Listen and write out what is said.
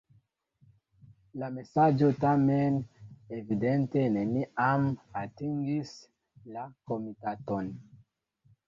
La mesaĝo tamen evidente neniam atingis la komitaton.